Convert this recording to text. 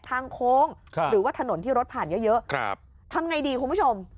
ทางโค้งหรือว่าถนนที่รถผ่านเยอะเยอะครับทำไงดีคุณผู้ชม